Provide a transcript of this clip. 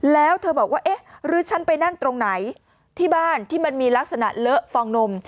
แล้วเธอบอกว่าเอ๊ะหรือฉันไปนั่งตรงไหนที่บ้านที่มันมีลักษณะเลอะฟองนม